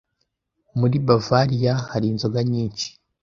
Muri Bavariya hari inzoga nyinshi.